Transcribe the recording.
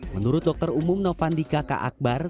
menurut dokter umum novandika k akbar